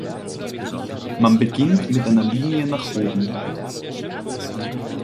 Man beginnt mit einer Linie nach oben.